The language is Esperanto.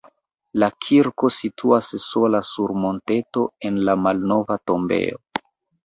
La kirko situas sola sur monteto en la malnova tombejo.